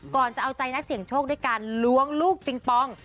ก่อนจะเอาใจนักเสี่ยงโชคด้วยการล้วงลูกปิงปอง